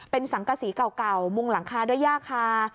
เป็นสังกษีเก่ามุงหลังคาด้วยย่าคา